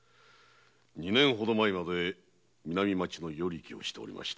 二年ほど前まで南町の与力をしておりました。